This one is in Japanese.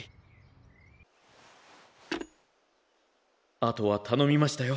あとはたのみましたよ